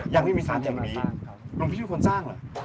ยังไม่มีสารแห่งนี้หลวงพี่ที่เป็นคนสร้างเหรอ